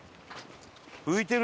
浮いてる！